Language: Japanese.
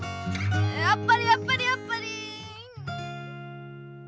やっぱりやっぱりやっぱり。